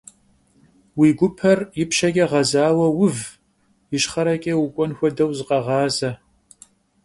Vui guper yipşeç'e ğezaue vuv, yişxhereç'e vuk'uen xuedeu zıkheğaze.